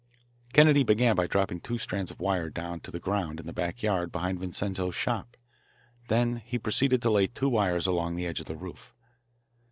Kennedy began by dropping two strands of wire down to the ground in the back yard behind Vincenzo's shop. Then he proceeded to lay two wires along the edge of the roof.